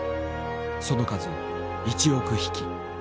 その数１億匹。